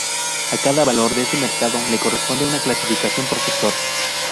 A cada valor de este mercado le corresponde una clasificación por sector.